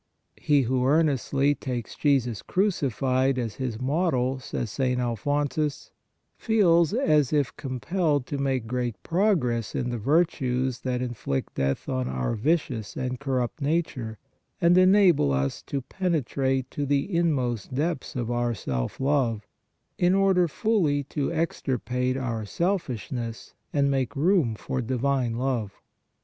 " He who earnestly takes Jesus crucified as his Model," says St. Alphonsus, " feels as if compelled to make great progress in the virtues that inflict death on our vicious and corrupt nature, and enable us to penetrate to the inmost depths of our self love, THE PASSION 199 in order fully to extirpate our selfishness and make room for divine love."